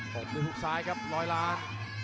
บด้วยฮุกซ้ายครับร้อยล้าน